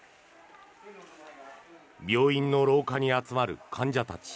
病院の廊下に集まる患者たち。